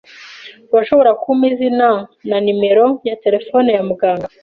Urashobora kumpa izina na numero ya terefone ya muganga?